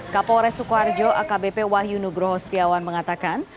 kapolres sukoharjo akbp wahyu nugroho setiawan mengatakan